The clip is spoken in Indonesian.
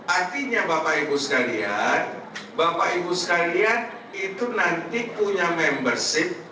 artinya bapak ibu sekalian bapak ibu sekalian itu nanti punya membership